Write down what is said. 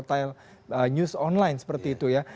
berhubung dengan sejumlah portal news online seperti itu ya